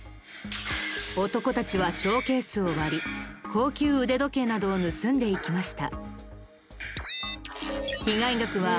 男たちはショーケースを割り高級腕時計などを盗んでいきました。